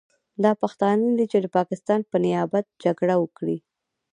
دا پښتانه نه دي چې د پاکستان په نیابت جګړه وکړي.